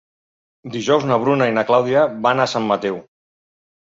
Dijous na Bruna i na Clàudia van a Sant Mateu.